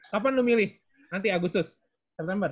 kapan lo milih nanti agustus september